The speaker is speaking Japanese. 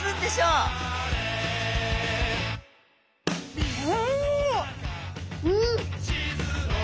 うん！